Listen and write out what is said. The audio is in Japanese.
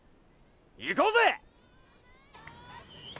行こうぜ！